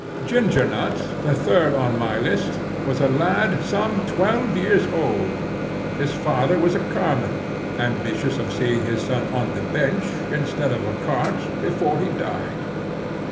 Ginger Nut, the third on my list, was a lad some twelve years old. His father was a carman, ambitious of seeing his son on the bench instead of a cart, before he died.